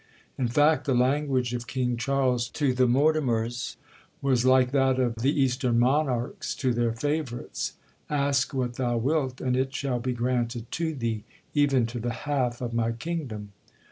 In fact, the language of King Charles to the Mortimers was like that of the Eastern monarchs to their favourites,—'Ask what thou wilt, and it shall be granted to thee, even to the half of my kingdom.'